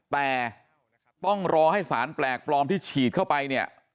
แต่ต้องรอให้สารแปลกปลอมที่ฉีดเข้าไปเนี่ย